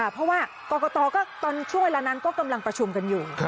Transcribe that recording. เพราะว่ากรกตก็ตอนช่วงเวลานั้นก็กำลังประชุมกันอยู่